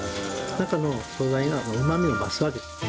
中の素材がうまみを増すわけ。